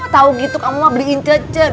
tau gitu kamu mah beliin ce ce dua juta